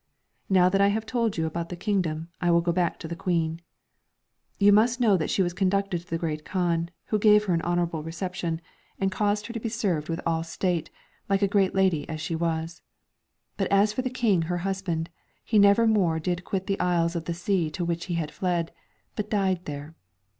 Now that I have told you about the kingdom, I will go back to the Queen. You must know that she was conducted to the Great Kaan, who gave her an honourable reception, and caused I 2 no MARCO rOLO. Book II. her to be served with all state, like a great lady as she was. But as for the King her husband, he never more did quit the isles of the sea to which he had fled, but died there.